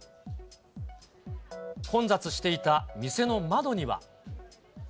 混雑していた店の窓には。